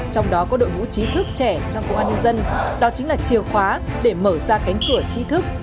trong đó có đội ngũ trí thức trẻ trong công an nhân dân đó chính là chiều khóa để mở ra cánh cửa chi thức